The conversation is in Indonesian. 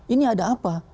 ini ada apa